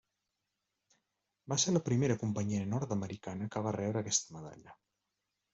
Va ser la primera companyia nord-americana que va rebre aquesta medalla.